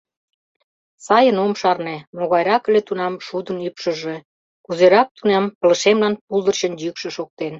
Сайын ом шарне, могайрак ыле тунам шудын ӱпшыжӧ, кузерак тунам пылышемлан пулдырчын йӱкшӧ шоктен.